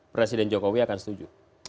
presiden jokowi akan setuju